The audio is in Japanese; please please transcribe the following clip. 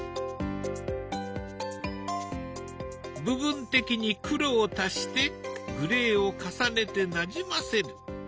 部分的に黒を足してグレーを重ねてなじませる。